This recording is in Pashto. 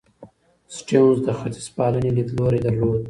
سټيونز د ختیځپالنې لیدلوری درلود.